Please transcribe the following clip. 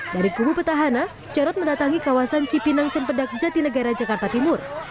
dari kubu petahana jarod mendatangi kawasan cipinang cempedak jatinegara jakarta timur